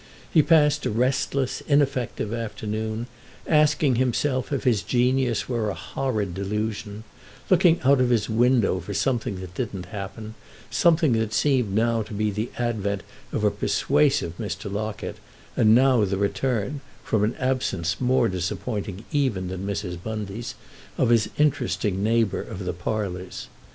He passed a restless, ineffective afternoon, asking himself if his genius were a horrid delusion, looking out of his window for something that didn't happen, something that seemed now to be the advent of a persuasive Mr. Locket and now the return, from an absence more disappointing even than Mrs. Bundy's, of his interesting neighbour of the parlours.